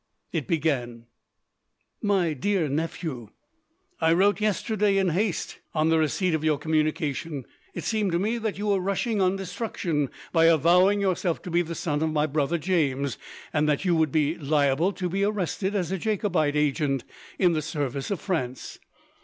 It began: My Dear Nephew: I wrote yesterday in haste, on the receipt of your communication. It seemed to me that you were rushing on destruction, by avowing yourself to be the son of my brother James; and that you would be liable to be arrested as a Jacobite agent in the service of France.